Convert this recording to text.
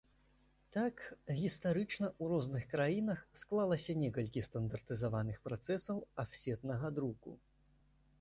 Так, гістарычна ў розных краінах склалася некалькі стандартызаваных працэсаў афсетнага друку.